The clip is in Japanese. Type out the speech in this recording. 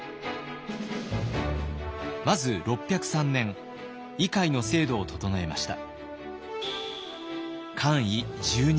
まず６０３年位階の制度を整えました。